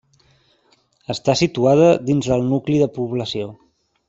Està situada dins del nucli de població.